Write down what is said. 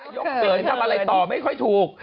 ยกเขินทำอะไรต่อไม่ค่อยถูก